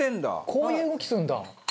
こういう動きするんだ。